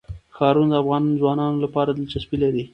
ښارونه د افغان ځوانانو لپاره دلچسپي لري.